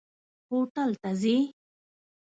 هوټل ته ځئ؟